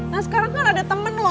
nah sekarang kan ada temen loh